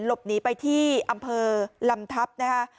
หลบหนีไปที่อำเภอลำทัพนะคะ